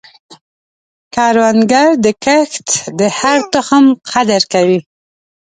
کروندګر د کښت د هر تخم قدر کوي